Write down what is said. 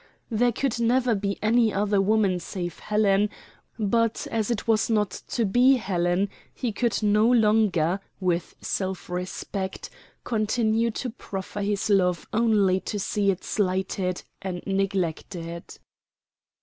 There could never be any other woman save Helen, but as it was not to be Helen, he could no longer, with self respect, continue to proffer his love only to see it slighted and neglected.